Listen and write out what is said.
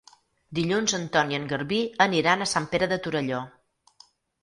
Dilluns en Ton i en Garbí aniran a Sant Pere de Torelló.